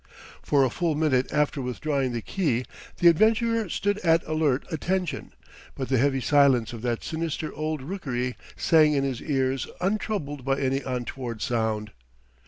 For a full minute after withdrawing the key the adventurer stood at alert attention; but the heavy silence of that sinister old rookery sang in his ears untroubled by any untoward sound....